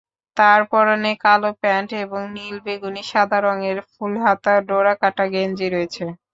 তাঁর পরনে কালো প্যান্ট এবং নীল-বেগুনি-সাদা রঙের ফুলহাতা ডোরাকাটা গেঞ্জি রয়েছে।